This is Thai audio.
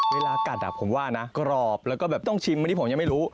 เวลากัดผมว่านะกรอบแล้วก็แบบต้องชิมอันนี้ผมยังไม่รู้